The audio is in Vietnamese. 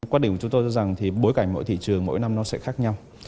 quá định của chúng tôi là bối cảnh mỗi thị trường mỗi năm sẽ khác nhau